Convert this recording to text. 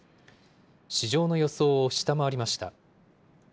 市場の予想を下回りました。